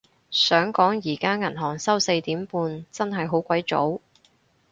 想講而家銀行收四點半，真係好鬼早